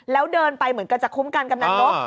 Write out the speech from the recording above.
แล้วเดินไปเหมือนกันจะคุ้มกันกำนันนก